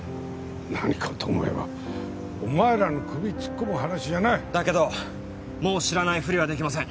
何かと思えばお前らの首突っ込む話じゃないだけどもう知らないふりはできません